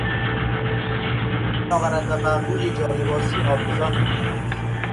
کتش را درمیآورد و بر روی جالباسی آویزان میکند